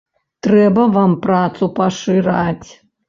Трэба вам працу пашыраць!